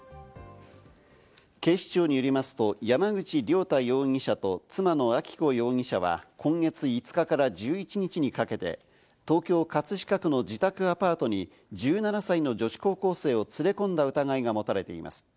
警視庁によりますと山口良太容疑者と妻の明子容疑者は今月５日から１１日にかけて、東京・葛飾区の自宅アパートに１７歳の女子高校生を連れ込んだ疑いが持たれています。